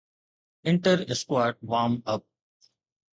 inter squad warm up